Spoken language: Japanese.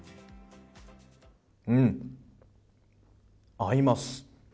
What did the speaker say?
うん、合います。